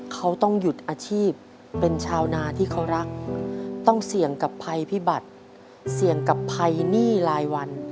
เขาต้องหยุดอาชีพเป็นชาวนาที่เขารักต้องเสี่ยงกับภัยพิบัติเสี่ยงกับภัยหนี้รายวัน